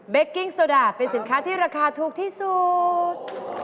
กิ้งโซดาเป็นสินค้าที่ราคาถูกที่สุด